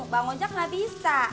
bang ojak enggak bisa